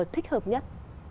thích hợp nhất